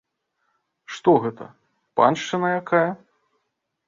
Што гэта, паншчына якая?